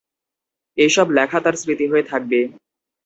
এই সব লেখা তার স্মৃতি হয়ে থাকবে।